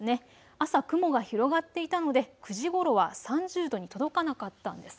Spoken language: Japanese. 朝、雲が広がっていたので９時ごろは３０度に届かなかったんです。